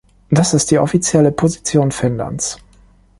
Das ist die offizielle Position Finnlands.